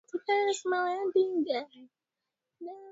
Kudumisha amani hususan kupitia usuluhishi wa migogoro mbalimbali